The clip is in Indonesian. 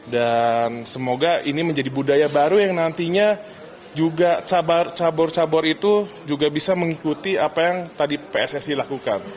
dan semoga ini menjadi budaya baru yang nantinya juga cabur cabur itu juga bisa mengikuti apa yang tadi pssi lakukan